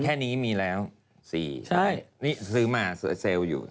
แค่นี้มีแล้ว๔ใช่นี่ซื้อมาเสือเซลล์อยู่